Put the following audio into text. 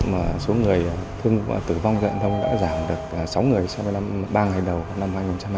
mà số người thương tử vong giao thông đã giảm được sáu người so với ba ngày đầu năm hai nghìn hai mươi hai